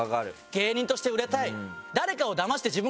芸人として売れたい。